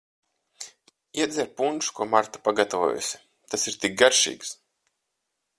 Iedzer punšu, ko Marta pagatavojusi, tas ir tik garšīgs.